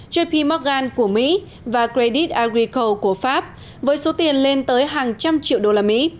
jp morgan của mỹ và credit agrico của pháp với số tiền lên tới hàng trăm triệu đô la mỹ